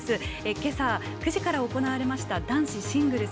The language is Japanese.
けさ９時から行われました男子シングルス